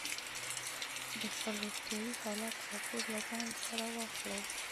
د خپل روغتیايي حالت راپور له ځان سره واخلئ.